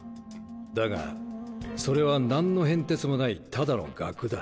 だがそれは何の変哲もないただの額だ。